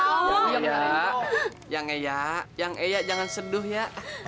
yang iya yang iya yang iya jangan seduh ya